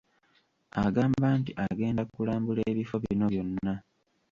Agamba nti agenda kulambula ebifo bino byonna.